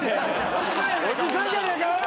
おじさんじゃねえか。